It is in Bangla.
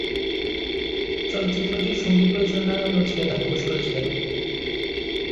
চলচ্চিত্রটির সংগীত পরিচালনা নচিকেতা ঘোষ করেছিলেন।